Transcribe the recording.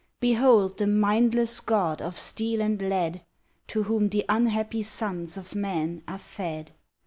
Behold the mindless god of steel and lead To whom the unhappy sons of man are fed!